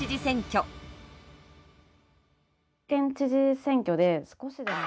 県知事選挙で少しでも。